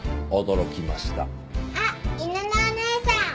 あっ犬のおねえさん！